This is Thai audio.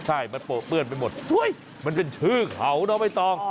ใช่มันโปะเปื้อนไปหมดมันเป็นชื่อเขาเนาะไม่ต้อง